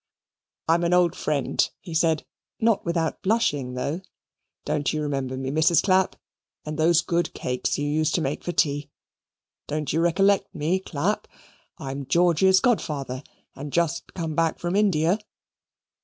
"I'm an old friend," he said not without blushing though. "Don't you remember me, Mrs. Clapp, and those good cakes you used to make for tea? Don't you recollect me, Clapp? I'm George's godfather, and just come back from India."